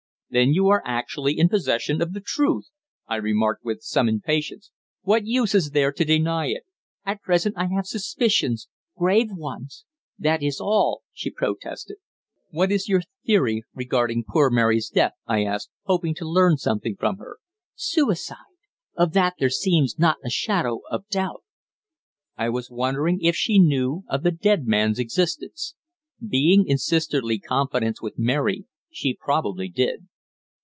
"Then you are actually in possession of the truth," I remarked with some impatience. "What use is there to deny it?" "At present I have suspicions grave ones. That is all," she protested. "What is your theory regarding poor Mary's death?" I asked, hoping to learn something from her. "Suicide. Of that there seems not a shadow of doubt." I was wondering if she knew of the "dead" man's existence. Being in sisterly confidence with Mary, she probably did.